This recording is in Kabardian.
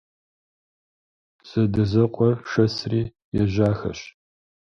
Задэзэкъуэр шэсри ежьахэщ.